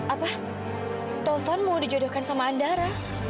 apa taufan mau dijodohkan sama andara